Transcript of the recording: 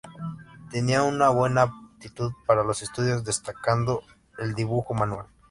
Tenía una buena aptitud para los estudios, destacando el dibujo manual.